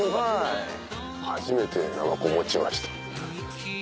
初めてナマコ持ちました。